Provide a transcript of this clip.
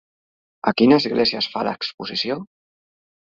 A quina església es fa l'exposició?